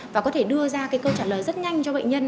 và có thể đưa ra cái câu trả lời rất nhanh cho bệnh nhân